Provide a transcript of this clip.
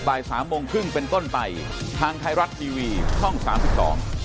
บ่ายสามโมงครึ่งเป็นต้นไปทางไทยรัฐทีวีช่องสามสิบสอง